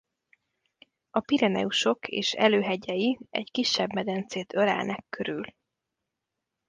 A Pireneusok és előhegyei egy kisebb medencét ölelnek körül.